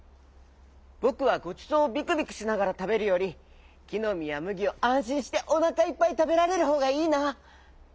ぼくはごちそうをビクビクしながらたべるよりきのみやむぎをあんしんしておなかいっぱいたべられるほうがいいな。